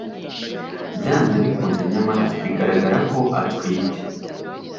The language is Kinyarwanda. byanze bikunze nyamara biragaragara ko atwite